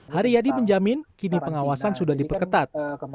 hari yadi menjamin kini pengawasan sudah diperketat